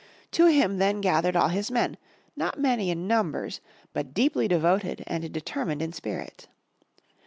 To him then gathered all his men, not many in numbers, but deeply devoted and determined in spirit.